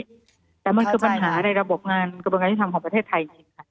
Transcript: แต่มันคือปัญหาในระบบงานกระบวนการที่ทำของประเทศไทย